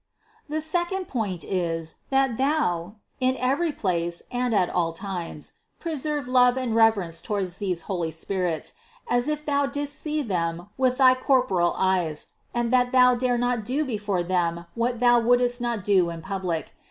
376. The second point is, that thou, in every place and at all times, preserve love and reverence toward these 300 CITY OF GOD holy spirits, as if thou didst see them with thy corporal eyes, and that thou dare not do before them what thou wouldst not do in public.